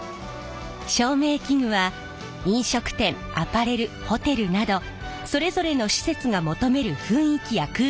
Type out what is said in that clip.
照明器具は飲食店アパレルホテルなどそれぞれの施設が求める雰囲気や空間の印象を決める